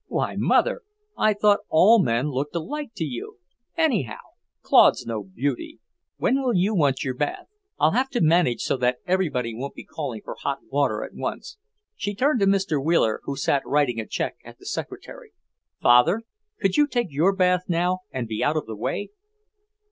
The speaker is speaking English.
"Why, Mother, I thought all men looked alike to you! Anyhow, Claude's no beauty." "When will you want your bath? I'll have to manage so that everybody won't be calling for hot water at once." She turned to Mr. Wheeler who sat writing a check at the secretary. "Father, could you take your bath now, and be out of the way?"